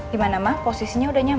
gimana ma posisinya udah nyaman